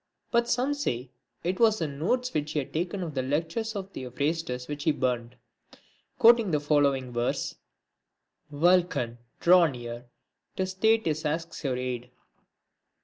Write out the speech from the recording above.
But some say that it was the notes which he had taken of the lectures of Theophrastus which he burnt, quoting the following verse :— Vulcan, draw near, 'tis Thetis asks your aid.